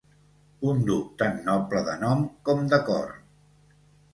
Un duc tant noble de nom com de cor.